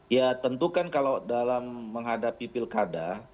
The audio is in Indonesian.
ya tentu kan kalau dalam menghadapi pilkada